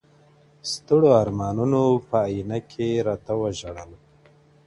ستـړو ارمانـونو په آئينـه كي راتـه وژړل.